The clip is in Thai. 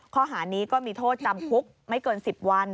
ข้อหานี้ก็มีโทษจำคุกไม่เกิน๑๐วัน